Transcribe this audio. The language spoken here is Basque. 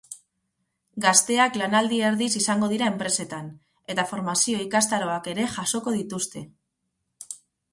Gazteak lanaldi erdiz izango dira enpresetan, eta formazio ikastaroak ere jasoko dituzte.